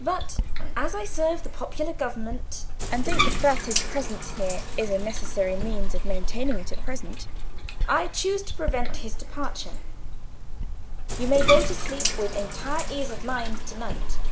But as I serve the popular government, and think the Frate's presence here is a necessary means of maintaining it at present, I choose to prevent his departure. You may go to sleep with entire ease of mind to night."